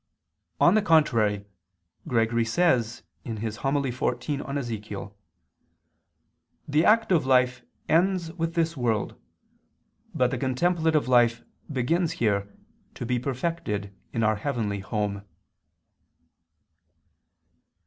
On the contrary, Gregory says (Hom. xiv in Ezech.): "The active life ends with this world, but the contemplative life begins here, to be perfected in our heavenly home."